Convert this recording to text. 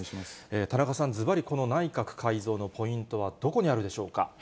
田中さん、ずばりこの内閣改造のポイントはどこにあるでしょうか。